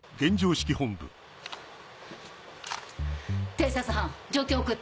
偵察班状況を送って。